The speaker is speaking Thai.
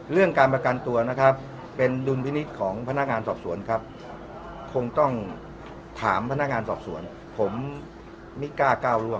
เรื่องการประกันตัวนะครับเป็นดุลพินิษฐ์ของพนักงานสอบสวนครับคงต้องถามพนักงานสอบสวนผมไม่กล้าก้าวร่วง